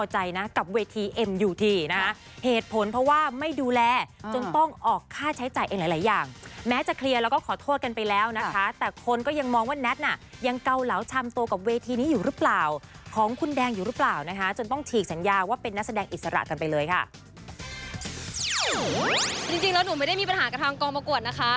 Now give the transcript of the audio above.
จริงแล้วหนูไม่ได้มีปัญหากับทางกองประกวดนะคะ